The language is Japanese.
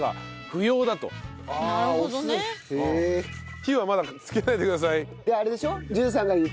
火はまだつけないでください。